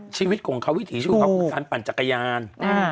ชีวิตของเขาวิถีชีวิตของเขากดสารปั่นจากท่าย่าง